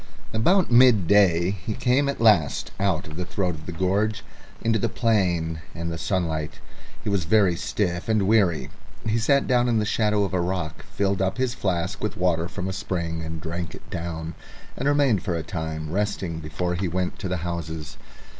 About midday he came at last out of the throat of the gorge into the plain and the sunlight. He was stiff and weary; he sat down in the shadow of a rock, filled up his flask with water from a spring and drank it down, and remained for a time resting before he went on to the houses.